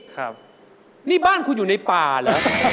ครับนี่บ้านคุณอยู่ในป่าเหรอ